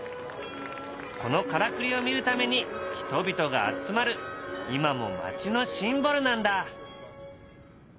このからくりを見るために人々が集まる今も街のシンボルなんだ。